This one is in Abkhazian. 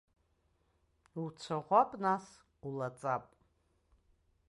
Уцәаӷәап нас, улаҵап!